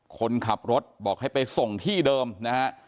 คนขับรถบอกให้ไปส่งที่เดิมนะฮะ